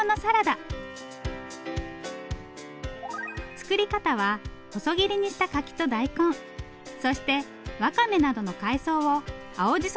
作り方は細切りにした柿と大根そしてわかめなどの海藻を青じそ